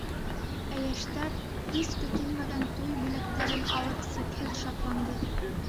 Ә йәштәр, һис көтөлмәгән туй бүләктәрен алып, сикһеҙ шатланды.